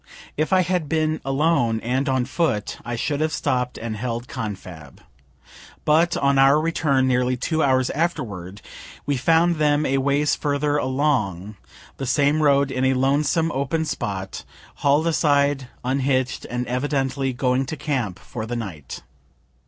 If I had been alone and on foot, I should have stopp'd and held confab. But on our return nearly two hours afterward, we found them a ways further along the same road, in a lonesome open spot, haul'd aside, unhitch'd, and evidently going to camp for the night.